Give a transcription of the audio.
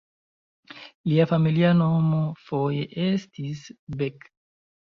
Lia familia nomo foje estis "Beck".